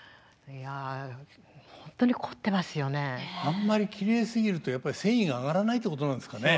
あんまりきれいすぎるとやっぱり戦意が上がらないってことなんですかね。